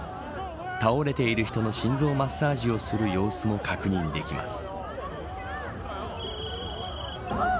倒れている人の心臓マッサージをする様子も確認できます。